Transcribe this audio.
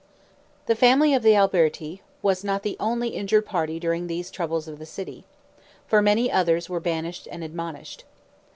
The family of the Alberti was not the only injured party during these troubles of the city; for many others were banished and admonished.